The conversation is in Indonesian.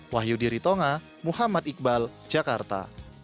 wahyu diritonga muhammad iqbal jakarta